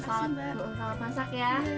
selamat masak ya